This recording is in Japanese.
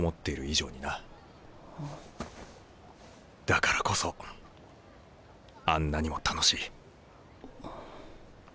だからこそあんなにも楽しい。